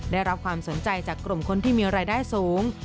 ได้รับความสนใจจากกลุ่มคนที่มีรายได้สูง